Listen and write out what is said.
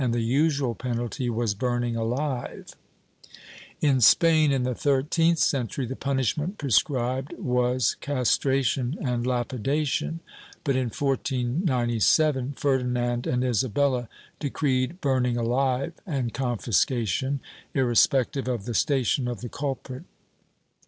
362 MISCELLANEOUS BUSINESS [Book VIII Spain, in the thirteenth century, the punishment prescribed was castration and lapidation, but, in 1497, Ferdinand and Isabella decreed burning alive and confiscation, irrespective of the station of the culprit.